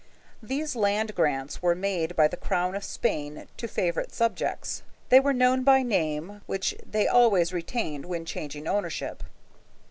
These land grants were made by the crown of Spain to favorite subjects. They were known by name, which they always retained when changing ownership.